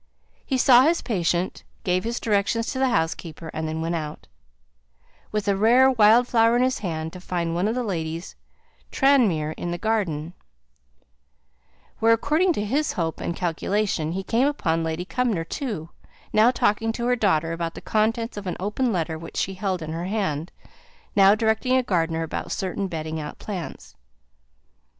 He saw his patient, gave his directions to the housekeeper, and then went out, with a rare wild flower in his hand, to find one of the ladies Tranmere in the garden, where, according to his hope and calculation, he came upon Lady Cumnor too, now talking to her daughter about the contents of an open letter which she held in her hand, now directing a gardener about certain bedding out plants.